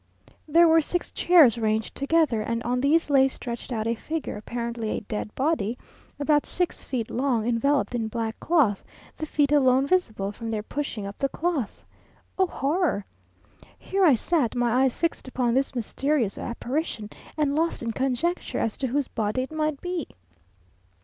There were six chairs ranged together, and on these lay stretched out a figure, apparently a dead body, about six feet long, enveloped in black cloth, the feet alone visible, from their pushing up the cloth. Oh, horror! Here I sat, my eyes fixed upon this mysterious apparition, and lost in conjecture as to whose body it might be.